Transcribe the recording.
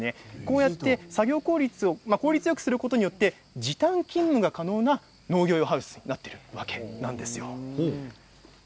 こうやって作業効率をよくすることで時短勤務が可能な農業ハウスになっているわけなんです。